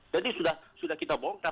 jadi sudah kita bongkar